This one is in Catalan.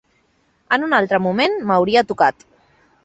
En un altre moment m'hauria tocat.